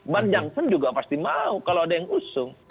bang jansan juga pasti mau kalau ada yang ngusung